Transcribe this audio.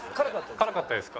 辛かったですか？